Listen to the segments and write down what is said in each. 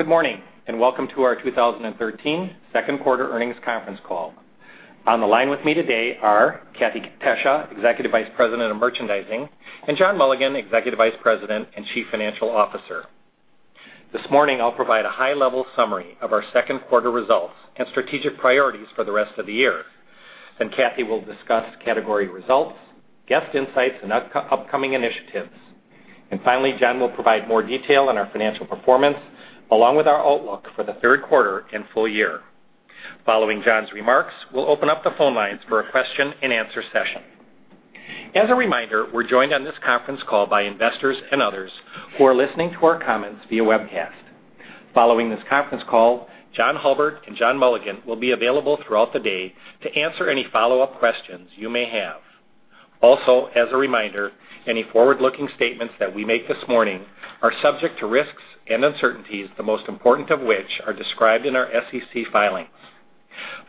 Good morning, and welcome to our 2013 second quarter earnings conference call. On the line with me today are Kathee Tesija, Executive Vice President of Merchandising, and John Mulligan, Executive Vice President and Chief Financial Officer. This morning, I'll provide a high-level summary of our second quarter results and strategic priorities for the rest of the year. Kathee will discuss category results, guest insights, and upcoming initiatives. Finally, John will provide more detail on our financial performance, along with our outlook for the third quarter and full year. Following John's remarks, we'll open up the phone lines for a question and answer session. As a reminder, we're joined on this conference call by investors and others who are listening to our comments via webcast. Following this conference call, John Hulbert and John Mulligan will be available throughout the day to answer any follow-up questions you may have. Also, as a reminder, any forward-looking statements that we make this morning are subject to risks and uncertainties, the most important of which are described in our SEC filings.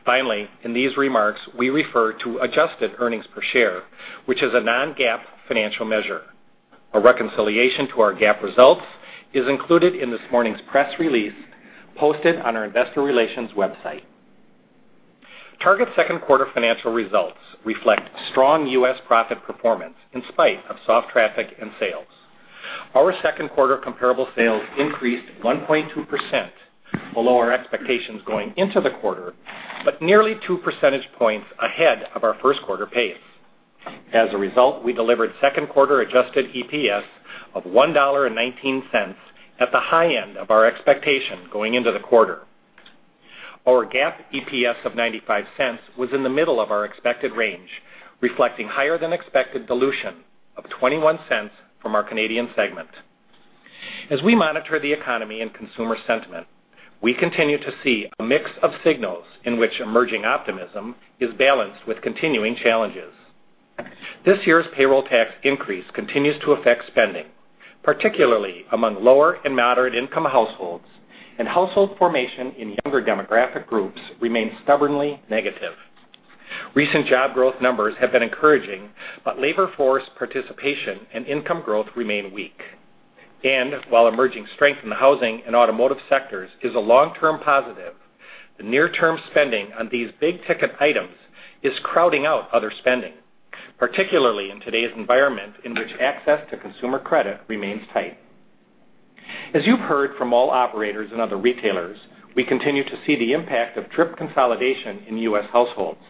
Finally, in these remarks, we refer to adjusted earnings per share, which is a non-GAAP financial measure. A reconciliation to our GAAP results is included in this morning's press release posted on our investor relations website. Target's second quarter financial results reflect strong U.S. profit performance in spite of soft traffic and sales. Our second quarter comparable sales increased 1.2%, below our expectations going into the quarter, but nearly two percentage points ahead of our first quarter pace. As a result, we delivered second quarter adjusted EPS of $1.19 at the high end of our expectation going into the quarter. Our GAAP EPS of $0.95 was in the middle of our expected range, reflecting higher than expected dilution of $0.21 from our Canadian segment. As we monitor the economy and consumer sentiment, we continue to see a mix of signals in which emerging optimism is balanced with continuing challenges. This year's payroll tax increase continues to affect spending, particularly among lower and moderate income households. Household formation in younger demographic groups remains stubbornly negative. Recent job growth numbers have been encouraging, but labor force participation and income growth remain weak. While emerging strength in the housing and automotive sectors is a long-term positive, the near-term spending on these big-ticket items is crowding out other spending, particularly in today's environment in which access to consumer credit remains tight. As you've heard from mall operators and other retailers, we continue to see the impact of trip consolidation in U.S. households,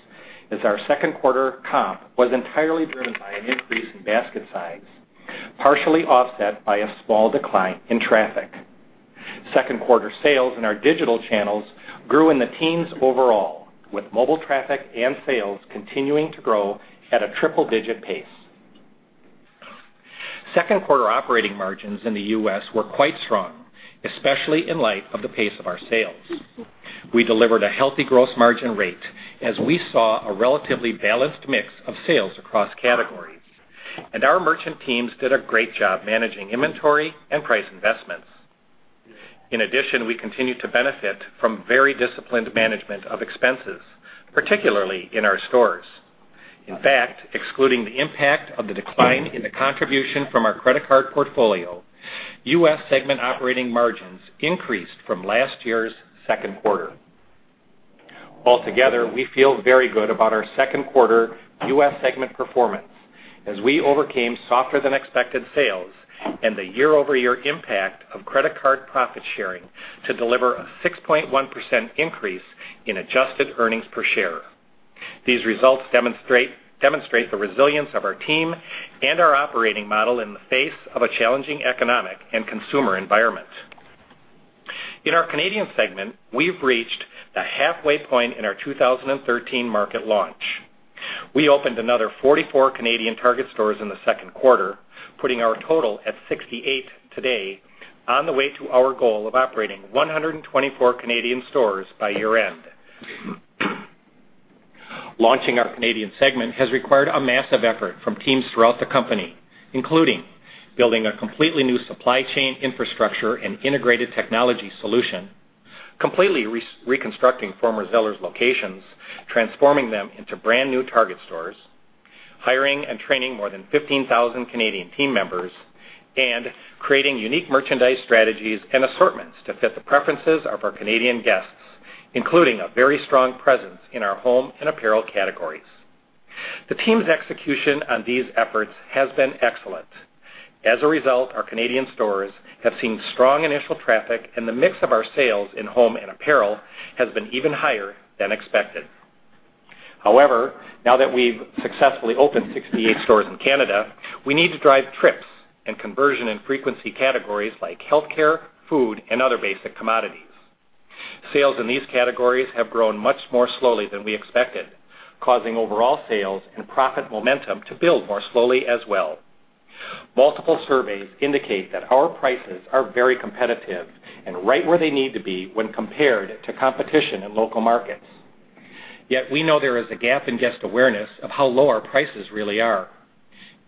as our second quarter comp was entirely driven by an increase in basket size, partially offset by a small decline in traffic. Second quarter sales in our digital channels grew in the teens overall, with mobile traffic and sales continuing to grow at a triple-digit pace. Second quarter operating margins in the U.S. were quite strong, especially in light of the pace of our sales. We delivered a healthy gross margin rate as we saw a relatively balanced mix of sales across categories. Our merchant teams did a great job managing inventory and price investments. In addition, we continue to benefit from very disciplined management of expenses, particularly in our stores. In fact, excluding the impact of the decline in the contribution from our credit card portfolio, U.S. segment operating margins increased from last year's second quarter. Altogether, we feel very good about our second quarter U.S. segment performance as we overcame softer than expected sales and the year-over-year impact of credit card profit sharing to deliver a 6.1% increase in adjusted earnings per share. These results demonstrate the resilience of our team and our operating model in the face of a challenging economic and consumer environment. In our Canadian segment, we've reached the halfway point in our 2013 market launch. We opened another 44 Canadian Target stores in the second quarter, putting our total at 68 today on the way to our goal of operating 124 Canadian stores by year-end. Launching our Canadian segment has required a massive effort from teams throughout the company, including building a completely new supply chain infrastructure and integrated technology solution, completely reconstructing former Zellers locations, transforming them into brand-new Target stores, hiring and training more than 15,000 Canadian team members, and creating unique merchandise strategies and assortments to fit the preferences of our Canadian guests, including a very strong presence in our home and apparel categories. The team's execution on these efforts has been excellent. As a result, our Canadian stores have seen strong initial traffic, and the mix of our sales in home and apparel has been even higher than expected. Now that we've successfully opened 68 stores in Canada, we need to drive trips and conversion in frequency categories like healthcare, food, and other basic commodities. Sales in these categories have grown much more slowly than we expected, causing overall sales and profit momentum to build more slowly as well. Multiple surveys indicate that our prices are very competitive and right where they need to be when compared to competition in local markets. We know there is a gap in guest awareness of how low our prices really are.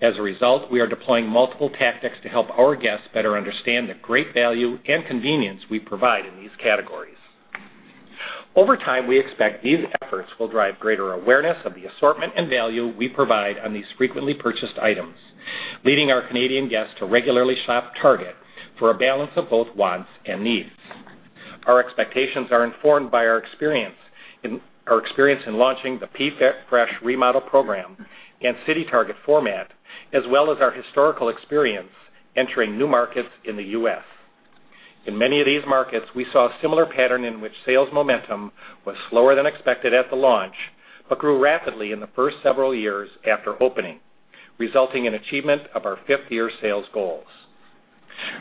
As a result, we are deploying multiple tactics to help our guests better understand the great value and convenience we provide in these categories. Over time, we expect these efforts will drive greater awareness of the assortment and value we provide on these frequently purchased items, leading our Canadian guests to regularly shop Target for a balance of both wants and needs. Our expectations are informed by our experience in launching the PFresh remodel program and CityTarget format, as well as our historical experience entering new markets in the U.S. In many of these markets, we saw a similar pattern in which sales momentum was slower than expected at the launch, but grew rapidly in the first several years after opening, resulting in achievement of our fifth-year sales goals.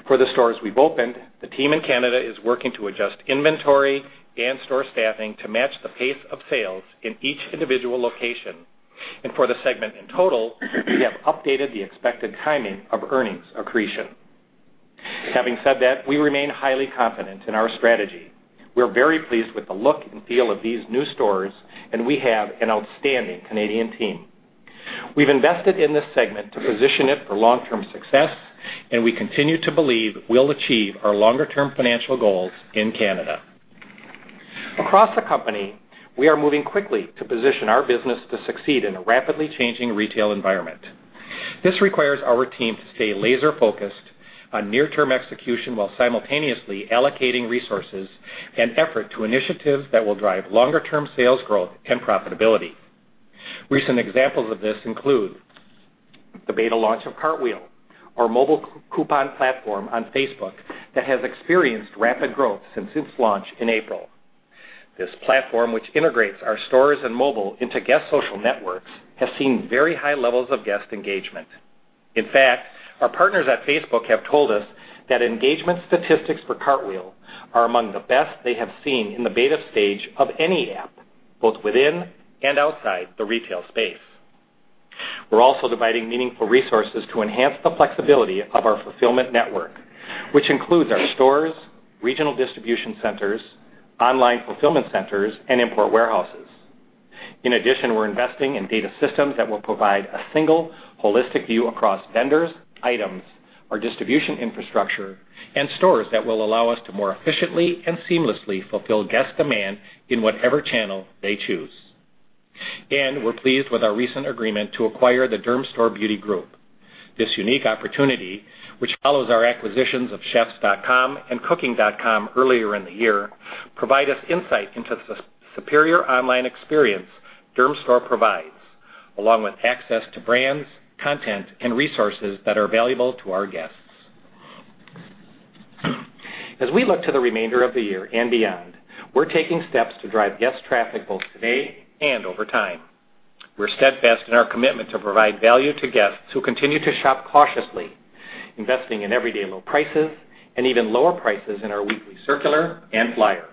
For the stores we've opened, the team in Canada is working to adjust inventory and store staffing to match the pace of sales in each individual location. For the segment in total, we have updated the expected timing of earnings accretion. Having said that, we remain highly confident in our strategy. We're very pleased with the look and feel of these new stores, and we have an outstanding Canadian team. We've invested in this segment to position it for long-term success, we continue to believe we'll achieve our longer-term financial goals in Canada. Across the company, we are moving quickly to position our business to succeed in a rapidly changing retail environment. This requires our team to stay laser-focused on near-term execution, while simultaneously allocating resources and effort to initiatives that will drive longer-term sales growth and profitability. Recent examples of this include the beta launch of Cartwheel, our mobile coupon platform on Facebook that has experienced rapid growth since its launch in April. This platform, which integrates our stores and mobile into guest social networks, has seen very high levels of guest engagement. In fact, our partners at Facebook have told us that engagement statistics for Cartwheel are among the best they have seen in the beta stage of any app, both within and outside the retail space. We're also dividing meaningful resources to enhance the flexibility of our fulfillment network, which includes our stores, regional distribution centers, online fulfillment centers, and import warehouses. In addition, we're investing in data systems that will provide a single holistic view across vendors, items, our distribution infrastructure, and stores that will allow us to more efficiently and seamlessly fulfill guest demand in whatever channel they choose. We're pleased with our recent agreement to acquire the DermStore Beauty Group. This unique opportunity, which follows our acquisitions of CHEFS Catalog and Cooking.com earlier in the year, provide us insight into the superior online experience DermStore provides, along with access to brands, content, and resources that are valuable to our guests. As we look to the remainder of the year and beyond, we're taking steps to drive guest traffic both today and over time. We're steadfast in our commitment to provide value to guests who continue to shop cautiously, investing in everyday low prices and even lower prices in our weekly circular and flyer,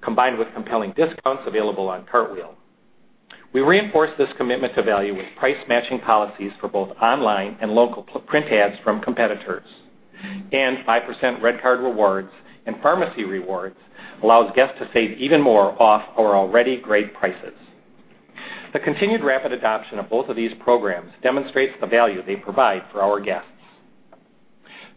combined with compelling discounts available on Cartwheel. We reinforce this commitment to value with price-matching policies for both online and local print ads from competitors. 5% RedCard Rewards and pharmacy rewards allows guests to save even more off our already great prices. The continued rapid adoption of both of these programs demonstrates the value they provide for our guests.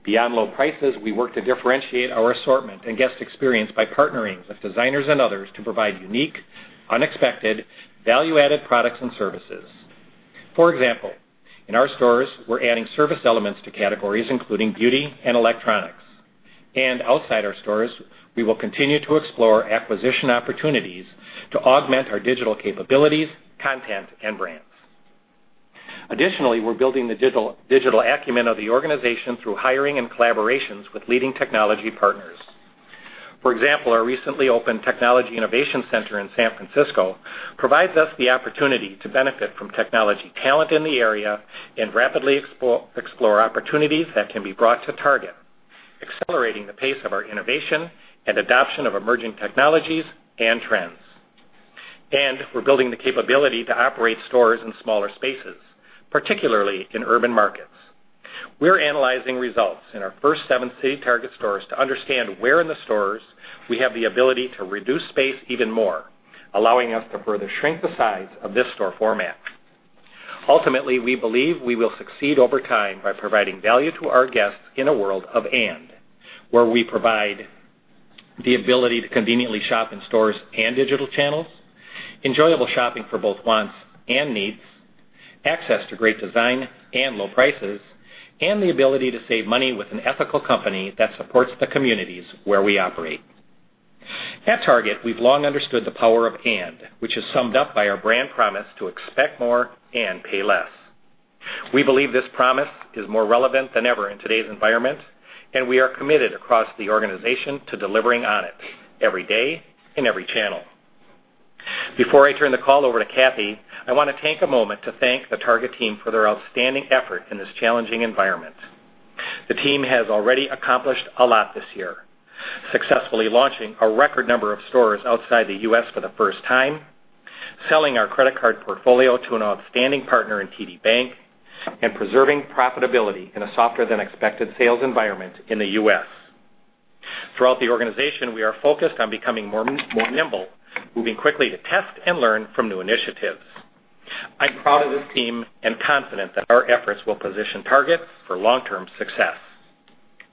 Beyond low prices, we work to differentiate our assortment and guest experience by partnering with designers and others to provide unique, unexpected, value-added products and services. For example, in our stores, we're adding service elements to categories including beauty and electronics. Outside our stores, we will continue to explore acquisition opportunities to augment our digital capabilities, content, and brands. Additionally, we're building the digital acumen of the organization through hiring and collaborations with leading technology partners. For example, our recently opened Technology Innovation Center in San Francisco provides us the opportunity to benefit from technology talent in the area and rapidly explore opportunities that can be brought to Target, accelerating the pace of our innovation and adoption of emerging technologies and trends. We're building the capability to operate stores in smaller spaces, particularly in urban markets. We're analyzing results in our first seven CityTarget stores to understand where in the stores we have the ability to reduce space even more, allowing us to further shrink the size of this store format. Ultimately, we believe we will succeed over time by providing value to our guests in a world of "and," where we provide the ability to conveniently shop in stores and digital channels, enjoyable shopping for both wants and needs, access to great design and low prices, and the ability to save money with an ethical company that supports the communities where we operate. At Target, we've long understood the power of "and," which is summed up by our brand promise to Expect More. Pay Less. We believe this promise is more relevant than ever in today's environment, and we are committed across the organization to delivering on it every day, in every channel. Before I turn the call over to Kathee, I want to take a moment to thank the Target team for their outstanding effort in this challenging environment. The team has already accomplished a lot this year, successfully launching a record number of stores outside the U.S. for the first time, selling our credit card portfolio to an outstanding partner in TD Bank, and preserving profitability in a softer-than-expected sales environment in the U.S. Throughout the organization, we are focused on becoming more nimble, moving quickly to test and learn from new initiatives. I'm proud of this team and confident that our efforts will position Target for long-term success.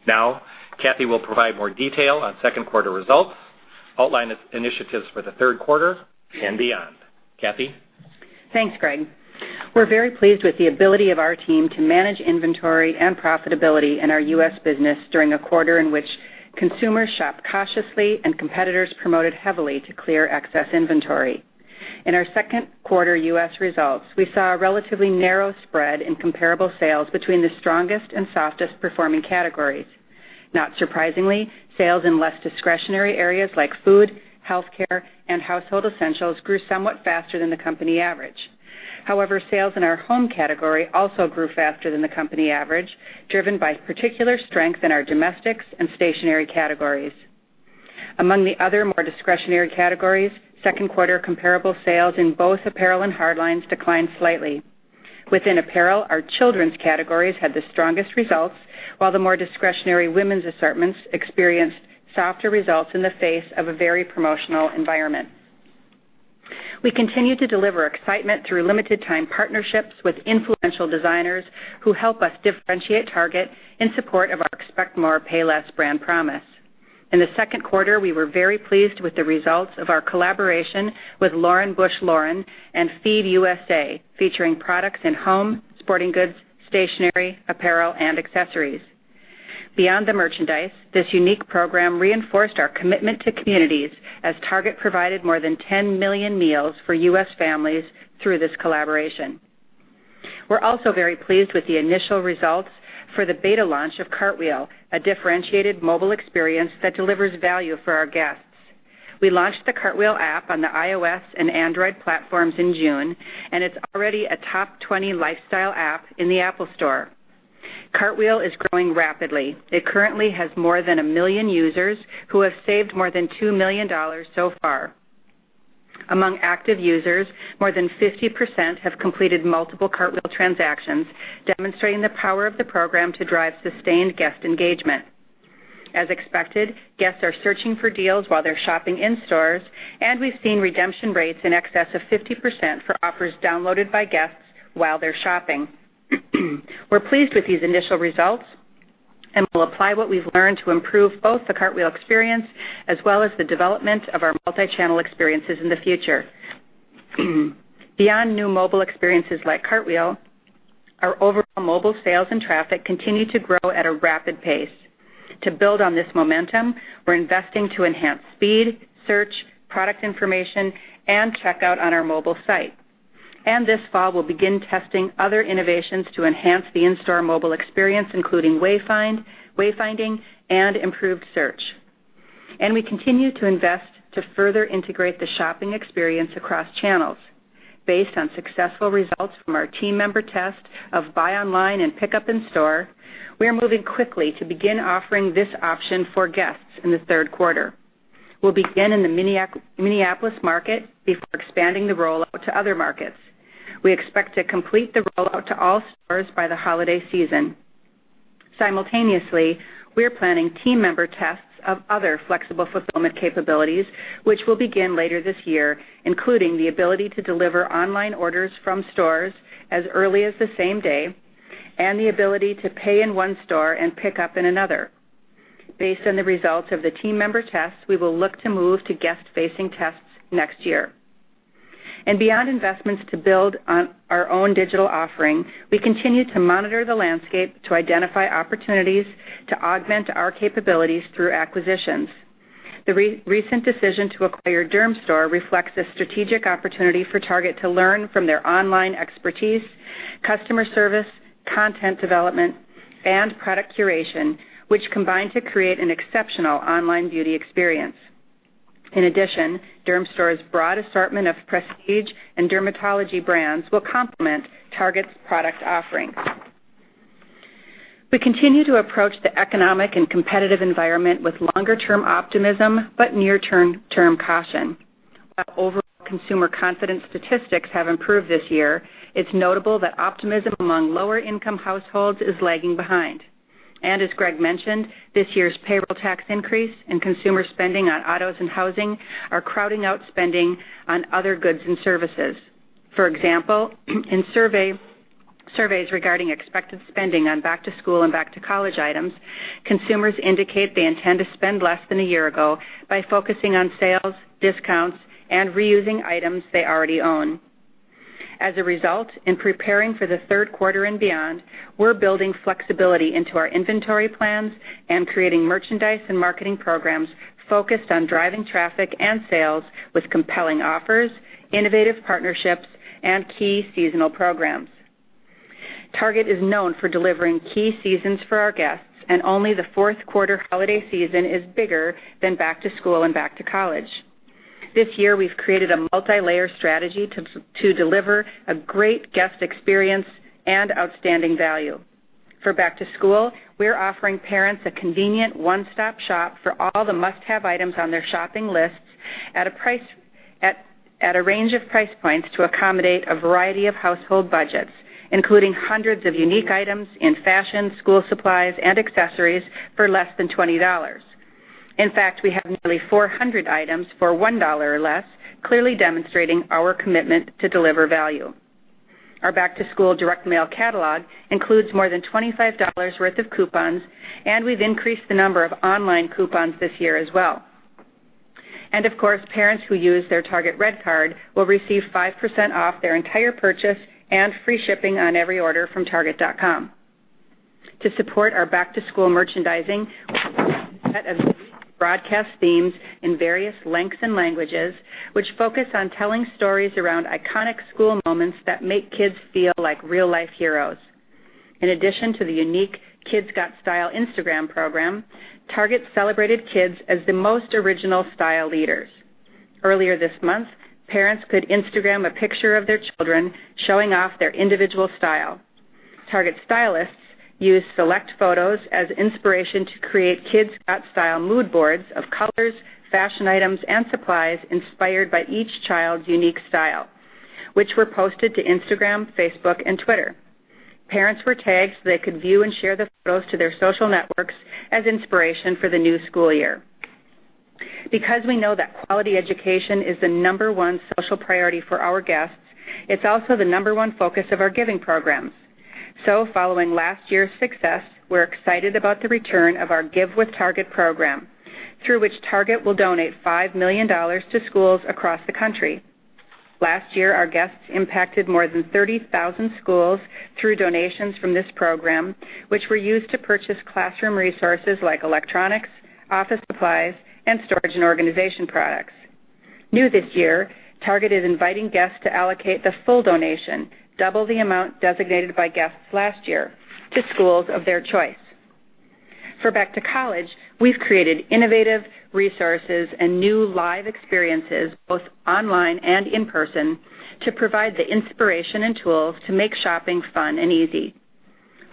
Now, Kathee will provide more detail on second quarter results, outline initiatives for the third quarter and beyond. Kathee? Thanks, Greg. We're very pleased with the ability of our team to manage inventory and profitability in our U.S. business during a quarter in which consumers shop cautiously and competitors promoted heavily to clear excess inventory. In our second quarter U.S. results, we saw a relatively narrow spread in comparable sales between the strongest and softest performing categories. Not surprisingly, sales in less discretionary areas like food, healthcare, and household essentials grew somewhat faster than the company average. However, sales in our home category also grew faster than the company average, driven by particular strength in our domestics and stationary categories. Among the other more discretionary categories, second quarter comparable sales in both apparel and hard lines declined slightly. Within apparel, our children's categories had the strongest results, while the more discretionary women's assortments experienced softer results in the face of a very promotional environment. We continue to deliver excitement through limited time partnerships with influential designers who help us differentiate Target in support of our Expect More. Pay Less. brand promise. In the second quarter, we were very pleased with the results of our collaboration with Lauren Bush Lauren and FEED USA, featuring products in home, sporting goods, stationary, apparel, and accessories. Beyond the merchandise, this unique program reinforced our commitment to communities as Target provided more than 10 million meals for U.S. families through this collaboration. We're also very pleased with the initial results for the beta launch of Cartwheel, a differentiated mobile experience that delivers value for our guests. We launched the Cartwheel app on the iOS and Android platforms in June, and it's already a top 20 lifestyle app in the Apple Store. Cartwheel is growing rapidly. It currently has more than 1 million users who have saved more than $2 million so far. Among active users, more than 50% have completed multiple Cartwheel transactions, demonstrating the power of the program to drive sustained guest engagement. As expected, guests are searching for deals while they're shopping in stores, and we've seen redemption rates in excess of 50% for offers downloaded by guests while they're shopping. We're pleased with these initial results and will apply what we've learned to improve both the Cartwheel experience as well as the development of our multi-channel experiences in the future. Beyond new mobile experiences like Cartwheel, our overall mobile sales and traffic continue to grow at a rapid pace. To build on this momentum, we're investing to enhance speed, search, product information, and checkout on our mobile site. This fall, we'll begin testing other innovations to enhance the in-store mobile experience, including wayfinding and improved search. We continue to invest to further integrate the shopping experience across channels. Based on successful results from our team member test of buy online and pickup in store, we are moving quickly to begin offering this option for guests in the third quarter. We'll begin in the Minneapolis market before expanding the rollout to other markets. We expect to complete the rollout to all stores by the holiday season. Simultaneously, we are planning team member tests of other flexible fulfillment capabilities, which will begin later this year, including the ability to deliver online orders from stores as early as the same day, and the ability to pay in one store and pick up in another. Based on the results of the team member tests, we will look to move to guest-facing tests next year. Beyond investments to build on our own digital offering, we continue to monitor the landscape to identify opportunities to augment our capabilities through acquisitions. The recent decision to acquire DermStore reflects a strategic opportunity for Target to learn from their online expertise, customer service, content development, and product curation, which combine to create an exceptional online beauty experience. In addition, DermStore's broad assortment of prestige and dermatology brands will complement Target's product offerings. We continue to approach the economic and competitive environment with longer-term optimism, but near-term caution. While overall consumer confidence statistics have improved this year, it's notable that optimism among lower income households is lagging behind. As Greg mentioned, this year's payroll tax increase and consumer spending on autos and housing are crowding out spending on other goods and services. For example, in surveys regarding expected spending on back to school and back to college items, consumers indicate they intend to spend less than a year ago by focusing on sales, discounts, and reusing items they already own. As a result, in preparing for the third quarter and beyond, we're building flexibility into our inventory plans and creating merchandise and marketing programs focused on driving traffic and sales with compelling offers, innovative partnerships, and key seasonal programs. Target is known for delivering key seasons for our guests, and only the fourth quarter holiday season is bigger than back to school and back to college. This year, we've created a multilayer strategy to deliver a great guest experience and outstanding value. For back to school, we're offering parents a convenient one-stop shop for all the must-have items on their shopping lists at a range of price points to accommodate a variety of household budgets, including hundreds of unique items in fashion, school supplies, and accessories for less than $20. In fact, we have nearly 400 items for $1 or less, clearly demonstrating our commitment to deliver value. Our back-to-school direct mail catalog includes more than $25 worth of coupons, we've increased the number of online coupons this year as well. Of course, parents who use their Target RedCard will receive 5% off their entire purchase and free shipping on every order from target.com. To support our back-to-school merchandising, we have a set of unique broadcast themes in various lengths and languages, which focus on telling stories around iconic school moments that make kids feel like real-life heroes. In addition to the unique Kids Got Style Instagram program, Target celebrated kids as the most original style leaders. Earlier this month, parents could Instagram a picture of their children showing off their individual style. Target stylists used select photos as inspiration to create Kids Got Style mood boards of colors, fashion items, and supplies inspired by each child's unique style, which were posted to Instagram, Facebook, and Twitter. Parents were tagged so they could view and share the photos to their social networks as inspiration for the new school year. Because we know that quality education is the number 1 social priority for our guests, it's also the number 1 focus of our giving programs. Following last year's success, we're excited about the return of our Give with Target program, through which Target will donate $5 million to schools across the country. Last year, our guests impacted more than 30,000 schools through donations from this program, which were used to purchase classroom resources like electronics, office supplies, and storage and organization products. New this year, Target is inviting guests to allocate the full donation, double the amount designated by guests last year, to schools of their choice. For back to college, we've created innovative resources and new live experiences, both online and in person, to provide the inspiration and tools to make shopping fun and easy.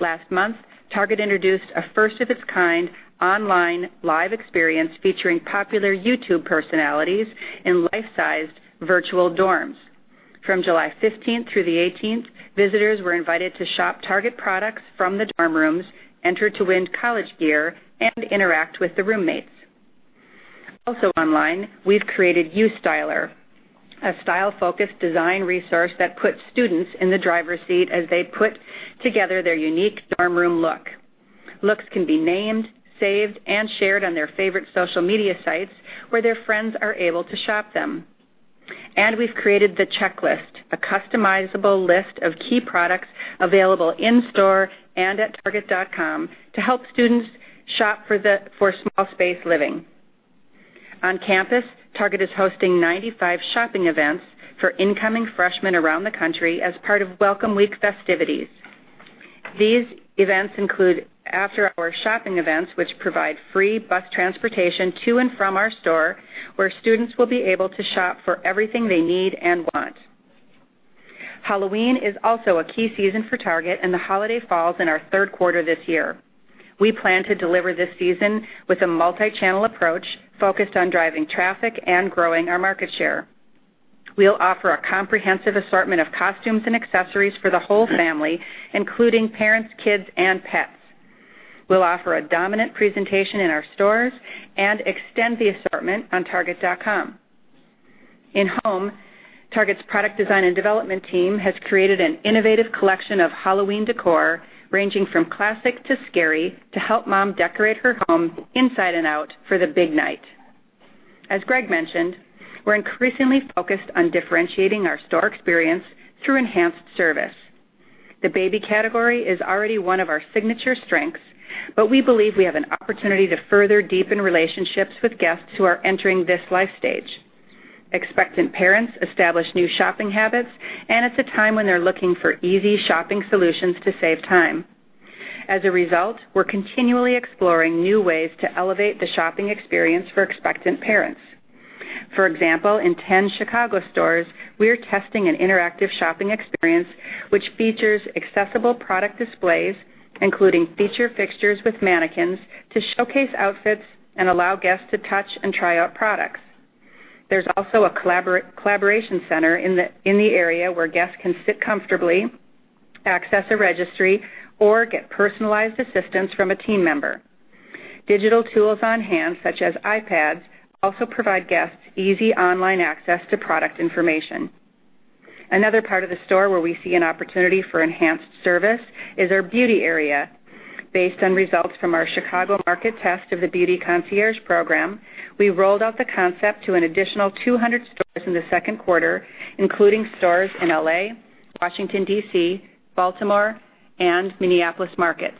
Last month, Target introduced a first-of-its-kind online live experience featuring popular YouTube personalities in life-sized virtual dorms. From July 15th through the 18th, visitors were invited to shop Target products from the dorm rooms, enter to win college gear, and interact with the roommates. Also online, we've created You Styler, a style-focused design resource that puts students in the driver's seat as they put together their unique dorm room look. Looks can be named, saved, and shared on their favorite social media sites, where their friends are able to shop them. We've created The Checklist, a customizable list of key products available in-store and at target.com to help students shop for small space living. On campus, Target is hosting 95 shopping events for incoming freshmen around the country as part of Welcome Week festivities. These events include after-hour shopping events, which provide free bus transportation to and from our store, where students will be able to shop for everything they need and want. Halloween is also a key season for Target, the holiday falls in our third quarter this year. We plan to deliver this season with a multi-channel approach focused on driving traffic and growing our market share. We'll offer a comprehensive assortment of costumes and accessories for the whole family, including parents, kids, and pets. We'll offer a dominant presentation in our stores and extend the assortment on target.com. In home, Target's product design and development team has created an innovative collection of Halloween decor, ranging from classic to scary, to help mom decorate her home inside and out for the big night. As Greg mentioned, we're increasingly focused on differentiating our store experience through enhanced service. The baby category is already one of our signature strengths, but we believe we have an opportunity to further deepen relationships with guests who are entering this life stage. Expectant parents establish new shopping habits, and it's a time when they're looking for easy shopping solutions to save time. As a result, we're continually exploring new ways to elevate the shopping experience for expectant parents. For example, in 10 Chicago stores, we are testing an interactive shopping experience, which features accessible product displays, including feature fixtures with mannequins, to showcase outfits and allow guests to touch and try out products. There's also a collaboration center in the area where guests can sit comfortably, access a registry, or get personalized assistance from a team member. Digital tools on hand, such as iPads, also provide guests easy online access to product information. Another part of the store where we see an opportunity for enhanced service is our beauty area. Based on results from our Chicago market test of the beauty concierge program, we rolled out the concept to an additional 200 stores in the second quarter, including stores in L.A., Washington, D.C., Baltimore, and Minneapolis markets.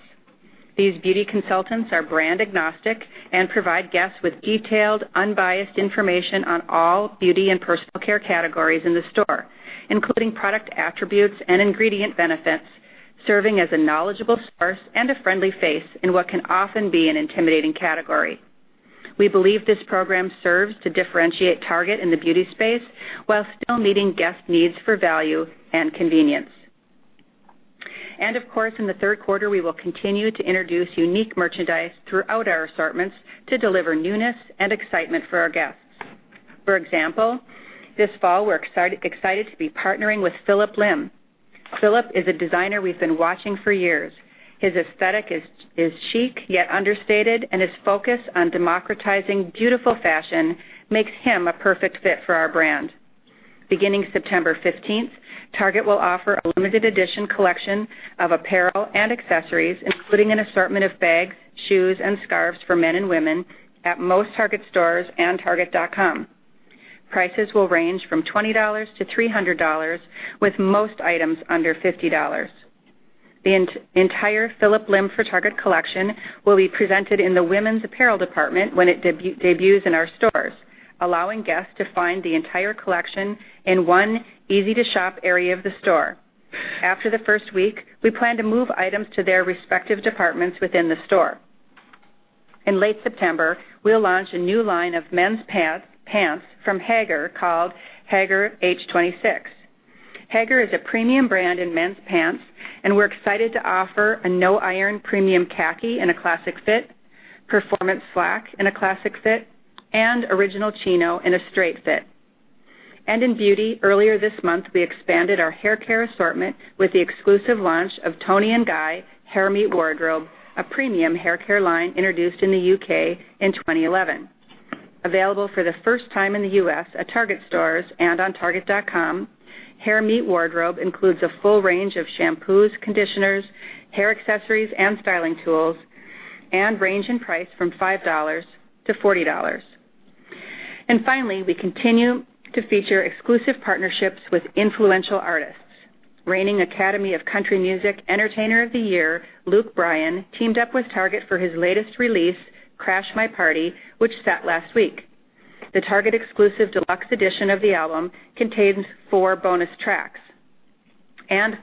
These beauty consultants are brand agnostic and provide guests with detailed, unbiased information on all beauty and personal care categories in the store, including product attributes and ingredient benefits, serving as a knowledgeable source and a friendly face in what can often be an intimidating category. We believe this program serves to differentiate Target in the beauty space while still meeting guest needs for value and convenience. Of course, in the third quarter, we will continue to introduce unique merchandise throughout our assortments to deliver newness and excitement for our guests. For example, this fall, we're excited to be partnering with Phillip Lim. Phillip is a designer we've been watching for years. His aesthetic is chic, yet understated, and his focus on democratizing beautiful fashion makes him a perfect fit for our brand. Beginning September 15th, Target will offer a limited edition collection of apparel and accessories, including an assortment of bags, shoes, and scarves for men and women at most Target stores and target.com. Prices will range from $20 to $300, with most items under $50. The entire Phillip Lim for Target collection will be presented in the women's apparel department when it debuts in our stores, allowing guests to find the entire collection in one easy-to-shop area of the store. After the first week, we plan to move items to their respective departments within the store. In late September, we'll launch a new line of men's pants from Haggar called Haggar H26. Haggar is a premium brand in men's pants, and we're excited to offer a no-iron premium khaki in a classic fit, performance slack in a classic fit, and original chino in a straight fit. In beauty, earlier this month, we expanded our haircare assortment with the exclusive launch of TONI&GUY Hair Meet Wardrobe, a premium haircare line introduced in the U.K. in 2011. Available for the first time in the U.S. at Target stores and on target.com, Hair Meet Wardrobe includes a full range of shampoos, conditioners, hair accessories, and styling tools, and range in price from $5 to $40. Finally, we continue to feature exclusive partnerships with influential artists. Reigning Academy of Country Music Entertainer of the Year, Luke Bryan, teamed up with Target for his latest release, "Crash My Party," which sat last week. The Target-exclusive deluxe edition of the album contains four bonus tracks.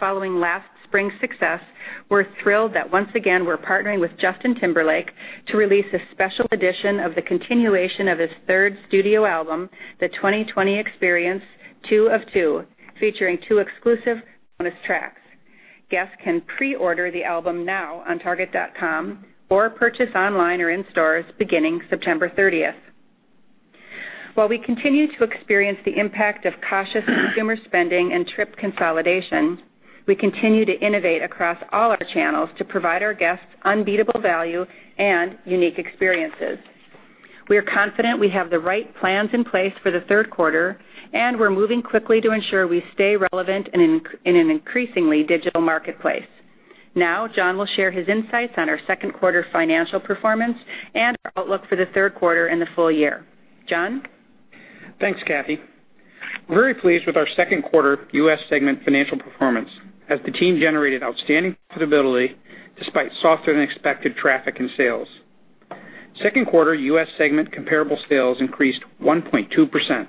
Following last spring's success, we're thrilled that once again, we're partnering with Justin Timberlake to release a special edition of the continuation of his third studio album, "The 20/20 Experience – 2 of 2," featuring two exclusive bonus tracks. Guests can pre-order the album now on target.com or purchase online or in stores beginning September 30th. While we continue to experience the impact of cautious consumer spending and trip consolidation, we continue to innovate across all our channels to provide our guests unbeatable value and unique experiences. We are confident we have the right plans in place for the third quarter, and we're moving quickly to ensure we stay relevant in an increasingly digital marketplace. John will share his insights on our second quarter financial performance and our outlook for the third quarter and the full Thanks, Kathee. We're very pleased with our second quarter U.S. segment financial performance, as the team generated outstanding profitability despite softer-than-expected traffic and sales. Second quarter U.S. segment comparable sales increased 1.2%.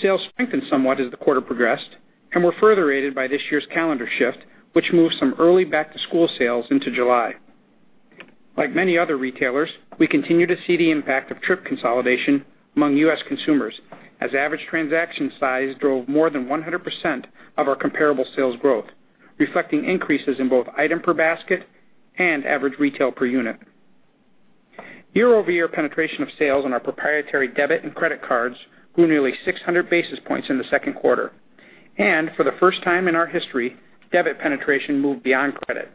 Sales strengthened somewhat as the quarter progressed and were further aided by this year's calendar shift, which moved some early back-to-school sales into July. Like many other retailers, we continue to see the impact of trip consolidation among U.S. consumers, as average transaction size drove more than 100% of our comparable sales growth, reflecting increases in both item per basket and average retail per unit. Year-over-year penetration of sales on our proprietary debit and credit cards grew nearly 600 basis points in the second quarter. For the first time in our history, debit penetration moved beyond credit.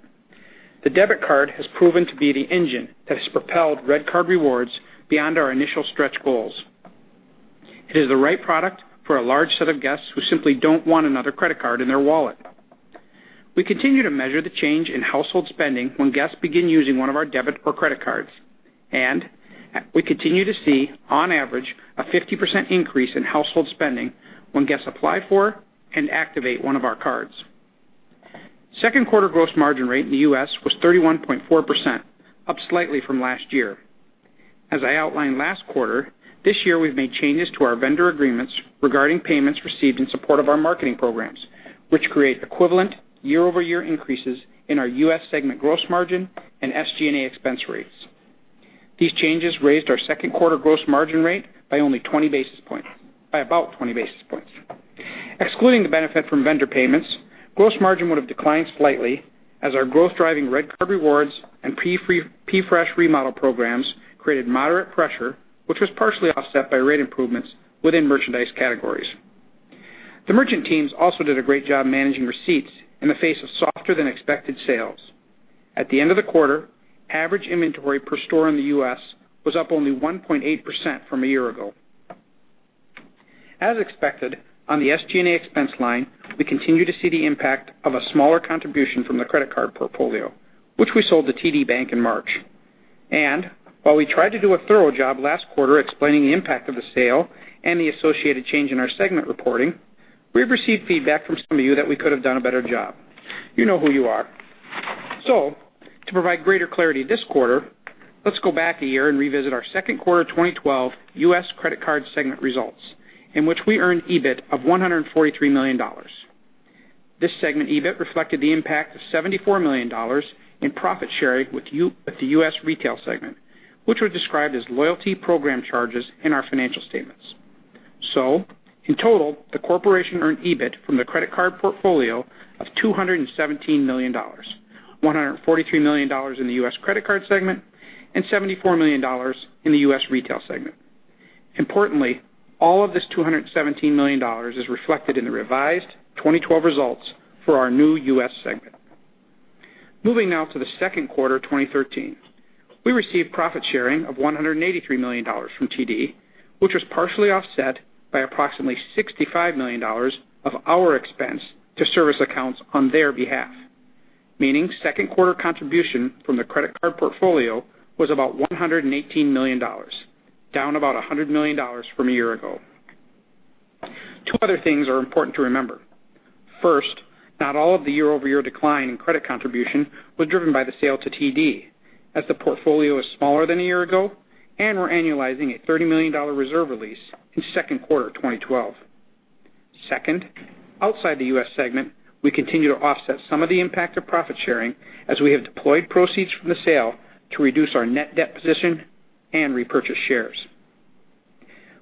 The debit card has proven to be the engine that has propelled RedCard Rewards beyond our initial stretch goals. It is the right product for a large set of guests who simply don't want another credit card in their wallet. We continue to measure the change in household spending when guests begin using one of our debit or credit cards, and we continue to see, on average, a 50% increase in household spending when guests apply for and activate one of our cards. Second quarter gross margin rate in the U.S. was 31.4%, up slightly from last year. As I outlined last quarter, this year we've made changes to our vendor agreements regarding payments received in support of our marketing programs, which create equivalent year-over-year increases in our U.S. segment gross margin and SG&A expense rates. These changes raised our second quarter gross margin rate by about 20 basis points. Excluding the benefit from vendor payments, gross margin would have declined slightly as our growth-driving RedCard Rewards and P-Fresh remodel programs created moderate pressure, which was partially offset by rate improvements within merchandise categories. The merchant teams also did a great job managing receipts in the face of softer-than-expected sales. At the end of the quarter, average inventory per store in the U.S. was up only 1.8% from a year ago. As expected, on the SG&A expense line, we continue to see the impact of a smaller contribution from the credit card portfolio, which we sold to TD Bank in March. While we tried to do a thorough job last quarter explaining the impact of the sale and the associated change in our segment reporting, we've received feedback from some of you that we could have done a better job. You know who you are. To provide greater clarity this quarter, let's go back a year and revisit our second quarter 2012 U.S. credit card segment results, in which we earned EBIT of $143 million. This segment EBIT reflected the impact of $74 million in profit sharing with the U.S. retail segment, which was described as loyalty program charges in our financial statements. In total, the corporation earned EBIT from the credit card portfolio of $217 million, $143 million in the U.S. credit card segment and $74 million in the U.S. retail segment. Importantly, all of this $217 million is reflected in the revised 2012 results for our new U.S. segment. Moving now to the second quarter of 2013. We received profit sharing of $183 million from TD, which was partially offset by approximately $65 million of our expense to service accounts on their behalf. Meaning second quarter contribution from the credit card portfolio was about $118 million, down about $100 million from a year ago. Two other things are important to remember. First, not all of the year-over-year decline in credit contribution was driven by the sale to TD, as the portfolio is smaller than a year ago, and we're annualizing a $30 million reserve release in second quarter 2012. Second, outside the U.S. segment, we continue to offset some of the impact of profit sharing as we have deployed proceeds from the sale to reduce our net debt position and repurchase shares.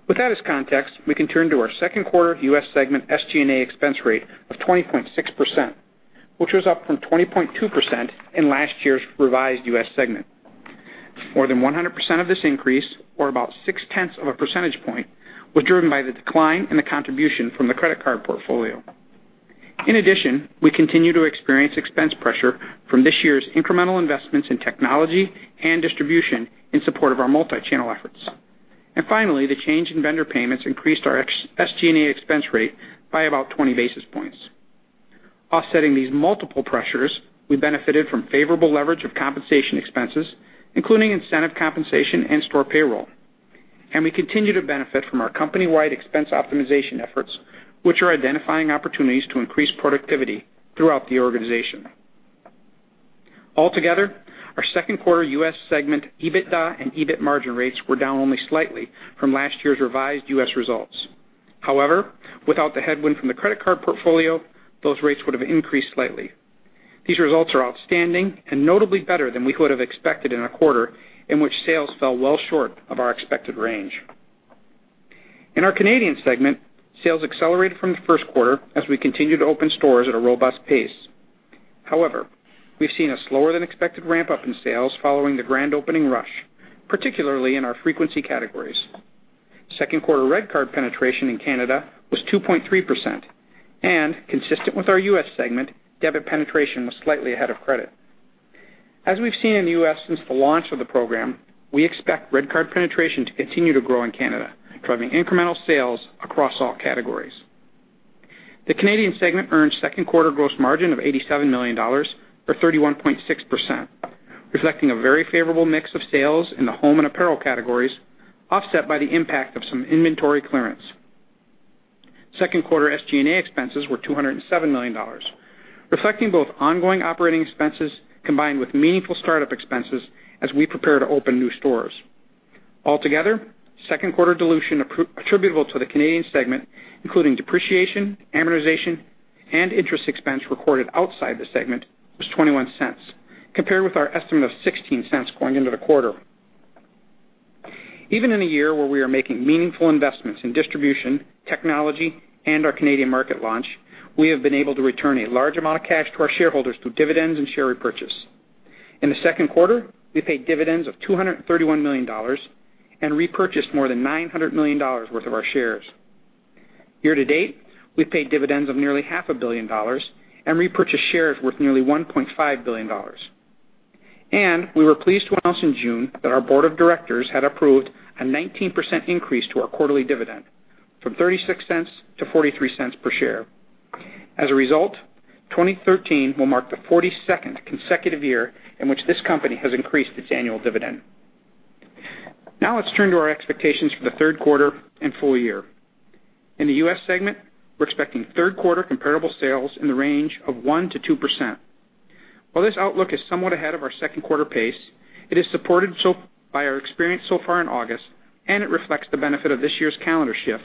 With that as context, we can turn to our second quarter U.S. segment SG&A expense rate of 20.6%, which was up from 20.2% in last year's revised U.S. segment. More than 100% of this increase, or about six tenths of a percentage point, was driven by the decline in the contribution from the credit card portfolio. In addition, we continue to experience expense pressure from this year's incremental investments in technology and distribution in support of our multi-channel efforts. Finally, the change in vendor payments increased our SG&A expense rate by about 20 basis points. Offsetting these multiple pressures, we benefited from favorable leverage of compensation expenses, including incentive compensation and store payroll. We continue to benefit from our company-wide expense optimization efforts, which are identifying opportunities to increase productivity throughout the organization. Altogether, our second quarter U.S. segment EBITDA and EBIT margin rates were down only slightly from last year's revised U.S. results. However, without the headwind from the credit card portfolio, those rates would have increased slightly. These results are outstanding, notably better than we could have expected in a quarter in which sales fell well short of our expected range. In our Canadian segment, sales accelerated from the first quarter as we continued to open stores at a robust pace. However, we've seen a slower-than-expected ramp-up in sales following the grand opening rush, particularly in our frequency categories. Second quarter RedCard penetration in Canada was 2.3%. Consistent with our U.S. segment, debit penetration was slightly ahead of credit. As we've seen in the U.S. since the launch of the program, we expect RedCard penetration to continue to grow in Canada, driving incremental sales across all categories. The Canadian segment earned second quarter gross margin of $87 million, or 31.6%, reflecting a very favorable mix of sales in the home and apparel categories, offset by the impact of some inventory clearance. Second quarter SG&A expenses were $207 million, reflecting both ongoing operating expenses combined with meaningful startup expenses as we prepare to open new stores. Altogether, second quarter dilution attributable to the Canadian segment, including depreciation, amortization, and interest expense recorded outside the segment, was $0.21, compared with our estimate of $0.16 going into the quarter. Even in a year where we are making meaningful investments in distribution, technology, and our Canadian market launch, we have been able to return a large amount of cash to our shareholders through dividends and share repurchase. In the second quarter, we paid dividends of $231 million and repurchased more than $900 million worth of our shares. Year to date, we've paid dividends of nearly half a billion dollars and repurchased shares worth nearly $1.5 billion. We were pleased to announce in June that our board of directors had approved a 19% increase to our quarterly dividend from $0.36 to $0.43 per share. As a result, 2013 will mark the 42nd consecutive year in which this company has increased its annual dividend. Now let's turn to our expectations for the third quarter and full year. In the U.S. segment, we're expecting third quarter comparable sales in the range of 1%-2%. While this outlook is somewhat ahead of our second quarter pace, it is supported by our experience so far in August, and it reflects the benefit of this year's calendar shift,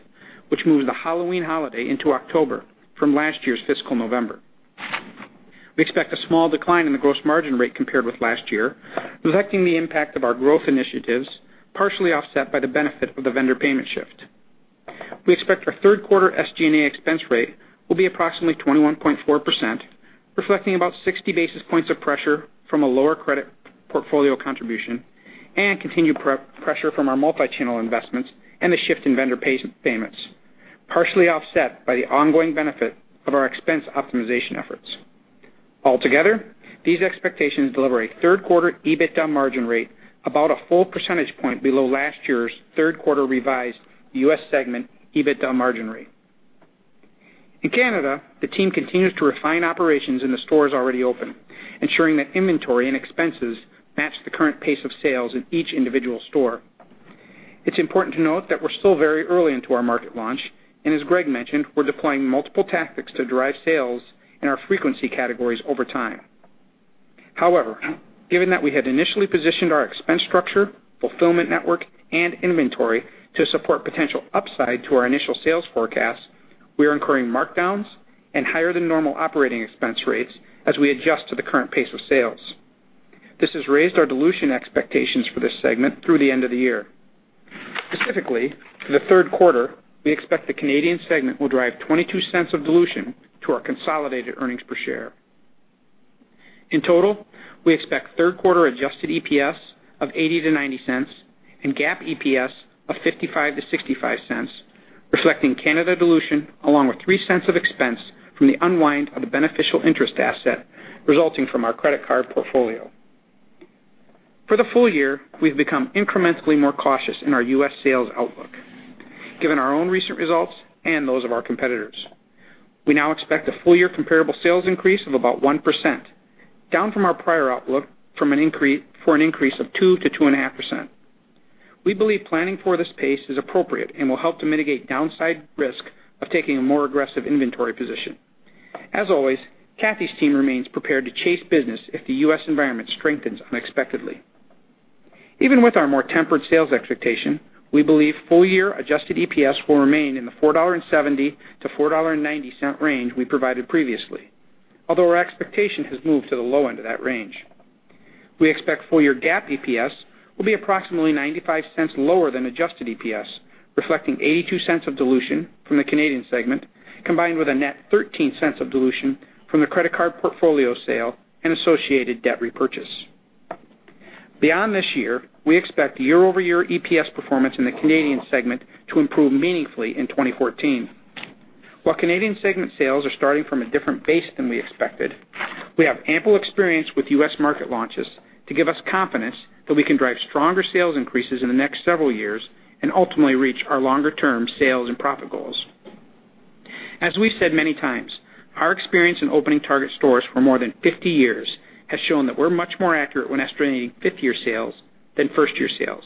which moves the Halloween holiday into October from last year's fiscal November. We expect a small decline in the gross margin rate compared with last year, reflecting the impact of our growth initiatives, partially offset by the benefit of the vendor payment shift. We expect our third quarter SG&A expense rate will be approximately 21.4%, reflecting about 60 basis points of pressure from a lower credit portfolio contribution and continued pressure from our multi-channel investments and the shift in vendor payments, partially offset by the ongoing benefit of our expense optimization efforts. Altogether, these expectations deliver a third quarter EBITDA margin rate about a full percentage point below last year's third quarter revised U.S. segment EBITDA margin rate. In Canada, the team continues to refine operations in the stores already open, ensuring that inventory and expenses match the current pace of sales in each individual store. It's important to note that we're still very early into our market launch, and as Greg mentioned, we're deploying multiple tactics to drive sales in our frequency categories over time. However, given that we had initially positioned our expense structure, fulfillment network, and inventory to support potential upside to our initial sales forecast, we are incurring markdowns and higher-than-normal operating expense rates as we adjust to the current pace of sales. This has raised our dilution expectations for this segment through the end of the year. Specifically, for the third quarter, we expect the Canadian segment will drive $0.22 of dilution to our consolidated earnings per share. In total, we expect third quarter adjusted EPS of $0.80-$0.90 and GAAP EPS of $0.55-$0.65. Reflecting Canada dilution, along with $0.03 of expense from the unwind of a beneficial interest asset resulting from our credit card portfolio. For the full year, we've become incrementally more cautious in our U.S. sales outlook, given our own recent results and those of our competitors. We now expect a full-year comparable sales increase of about 1%, down from our prior outlook for an increase of 2%-2.5%. We believe planning for this pace is appropriate and will help to mitigate downside risk of taking a more aggressive inventory position. As always, Kathee's team remains prepared to chase business if the U.S. environment strengthens unexpectedly. Even with our more tempered sales expectation, we believe full year adjusted EPS will remain in the $4.70-$4.90 range we provided previously. Although our expectation has moved to the low end of that range. We expect full year GAAP EPS will be approximately $0.95 lower than adjusted EPS, reflecting $0.82 of dilution from the Canadian segment, combined with a net $0.13 of dilution from the credit card portfolio sale and associated debt repurchase. Beyond this year, we expect year-over-year EPS performance in the Canadian segment to improve meaningfully in 2014. While Canadian segment sales are starting from a different base than we expected, we have ample experience with U.S. market launches to give us confidence that we can drive stronger sales increases in the next several years and ultimately reach our longer-term sales and profit goals. As we've said many times, our experience in opening Target stores for more than 50 years has shown that we're much more accurate when estimating fifth-year sales than first-year sales.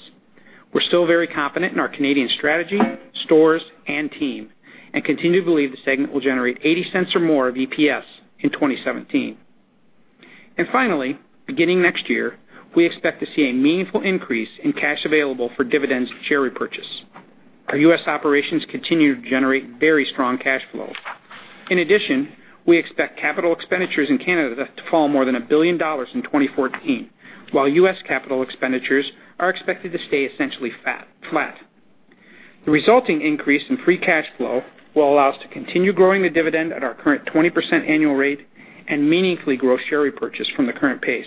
We're still very confident in our Canadian strategy, stores, and team, and continue to believe the segment will generate $0.80 or more of EPS in 2017. Finally, beginning next year, we expect to see a meaningful increase in cash available for dividends and share repurchase. Our U.S. operations continue to generate very strong cash flow. In addition, we expect capital expenditures in Canada to fall more than a billion dollars in 2014, while U.S. capital expenditures are expected to stay essentially flat. The resulting increase in free cash flow will allow us to continue growing the dividend at our current 20% annual rate and meaningfully grow share repurchase from the current pace